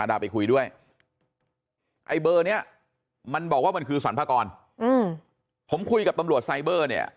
ไอ้เบอร์เนี้ยมันบอกว่ามันคือสรรพากรอืมผมคุยกับตำรวจไซเบอร์เนี้ย